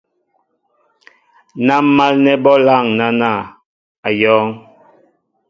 Ná málnɛ́ bɔ́ lâŋ náná , á yɔ̄ŋ.